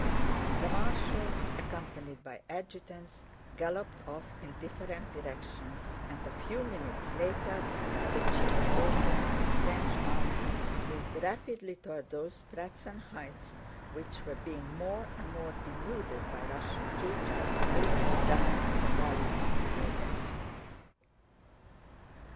The marshals, accompanied by adjutants, galloped off in different directions, and a few minutes later the chief forces of the French army moved rapidly toward those Pratzen Heights which were being more and more denuded by Russian troops moving down the valley to their left.